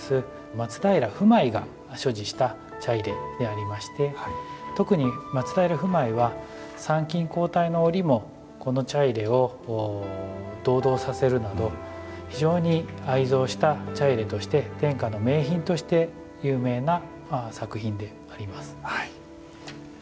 松平不昧が所持した茶入れでありまして特に松平不昧は参勤交代のおりもこの茶入れを同道させるなど非常に愛蔵した茶入れとして天下の名品として有名な作品であります。